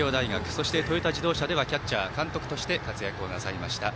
そして、トヨタ自動車ではキャッチャー、監督として活躍をなさいました。